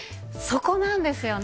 そこなんですよね。